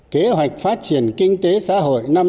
kế hoạch phát triển kinh tế xã hội năm năm